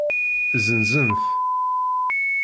Zenzen-t?